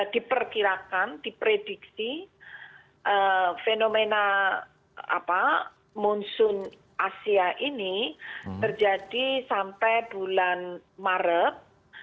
diperkirakan diprediksi fenomena munsun asia ini terjadi sampai bulan maret